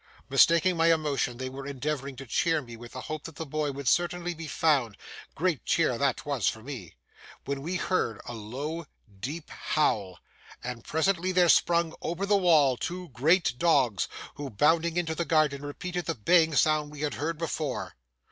Mistaking my emotion, they were endeavouring to cheer me with the hope that the boy would certainly be found,—great cheer that was for me!—when we heard a low deep howl, and presently there sprung over the wall two great dogs, who, bounding into the garden, repeated the baying sound we had heard before.